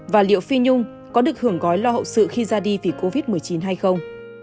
và liệu phi nhung có được hưởng gói lo hậu sự khi ra đi vì covid một mươi chín hay không